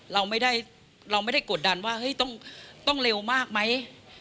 เราไม่ได้กดดันว่าต้องเร็วมากไหม